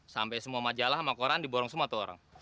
sampai semua majalah sama koran diborong semua tuh orang